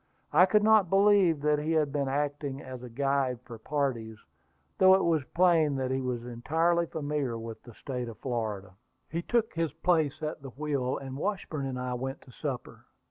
I could not believe that he had been acting as a guide for parties, though it was plain that he was entirely familiar with the State of Florida. The pilot took his place at the wheel, and Washburn and I went to supper.